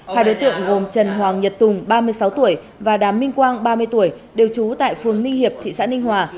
hai đối tượng gồm trần hoàng nhật tùng ba mươi sáu tuổi và đám minh quang ba mươi tuổi đều trú tại phường ninh hiệp thị xã ninh hòa